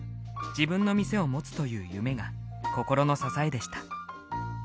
自分の店を持つという夢が心の支えでした。